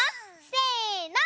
せの。